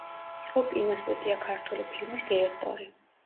იყო კინოსტუდია „ქართული ფილმის“ დირექტორი.